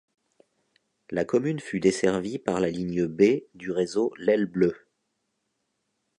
La commune fut desservie par la ligne B du réseau L'Aile Bleue.